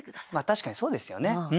確かにそうですよね。